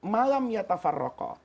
malam yatafar roqa